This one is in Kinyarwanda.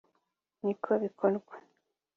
niko bikorwa